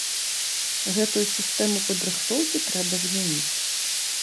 Гэтую сістэму падрыхтоўкі трэба змяніць.